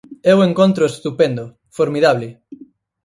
Eu encóntroo estupendo, formidable.